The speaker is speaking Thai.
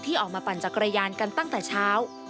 ออกมาปั่นจักรยานกันตั้งแต่เช้า